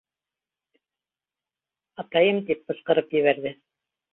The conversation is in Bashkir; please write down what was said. — Атайым! — тип ҡысҡырып ебәрҙе.